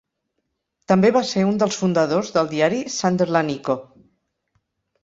També va ser un dels fundadors del diari "Sunderland Echo".